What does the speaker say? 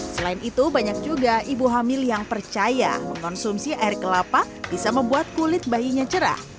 selain itu banyak juga ibu hamil yang percaya mengkonsumsi air kelapa bisa membuat kulit bayinya cerah